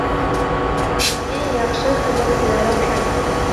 Миңә яҡшы хеҙмәтселәр оҡшай.